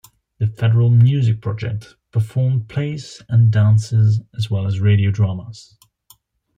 The Federal Music Project performed plays and dances, as well as radio dramas.